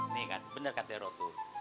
nih kan bener kan tero tuh